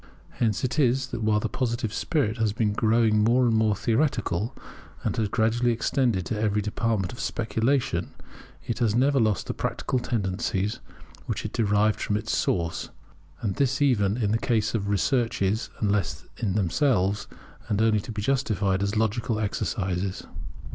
Hence it is that while the Positive spirit has been growing more and more theoretical, and has gradually extended to every department of speculation, it has never lost the practical tendencies which it derived from its source; and this even in the case of researches useless in themselves, and only to be justified as logical exercises.